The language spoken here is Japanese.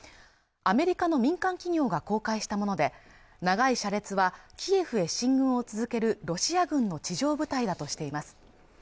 アメリカの民間企業が公開したもので長い車列はキエフへ進軍を続けるロシア軍の地上部隊だとしています